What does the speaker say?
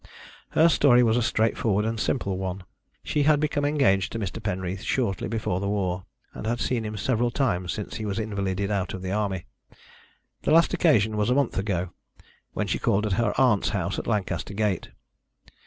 Her story was a straightforward and simple one. She had become engaged to Mr. Penreath shortly before the war, and had seen him several times since he was invalided out of the Army. The last occasion was a month ago, when he called at her aunt's house at Lancaster Gate.